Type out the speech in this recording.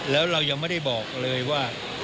แล้วเรายังไม่ได้บอกเลยว่า